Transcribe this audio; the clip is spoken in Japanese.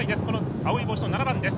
青い帽子の７番です。